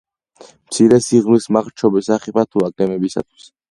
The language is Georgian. მცირე სიღრმის მარჩხობი სახიფათოა გემებისათვის.